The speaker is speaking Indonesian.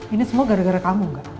ini semua gara gara kamu gak